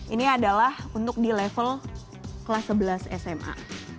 ini adalah untuk di level kelas sebelas sma